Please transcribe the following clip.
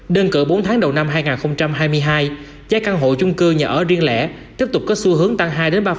đơn cử bốn tháng đầu năm hai nghìn hai mươi hai giá căn hộ chung cư nhà ở riêng lẻ tiếp tục có xu hướng tăng hai ba